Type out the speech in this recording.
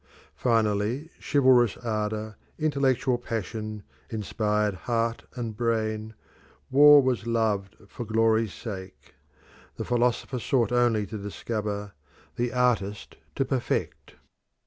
Finally, chivalrous ardour, intellectual passion, inspired heart and brain; war was loved for glory's sake; the philosopher sought only to discover, the artist to perfect.